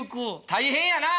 大変やなあ！